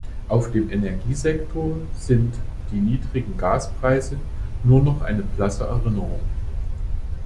Auf dem Energiesektor sind die niedrigen Gaspreise nur noch eine blasse Erinnerung.